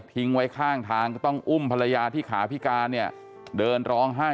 ทิ้งไว้ข้างทางก็ต้องอุ้มภรรยาที่ขาพิการเนี่ยเดินร้องไห้